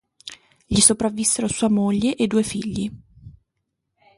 Gli sopravvissero sua moglie e due figli.